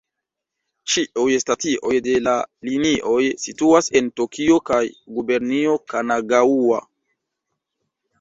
Ĉiuj stacioj de la linioj situas en Tokio kaj gubernio Kanagaŭa.